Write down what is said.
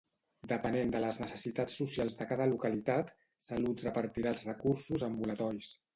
Depenent de les necessitats socials de cada localitat, Salut repartirà els recursos ambulatoris.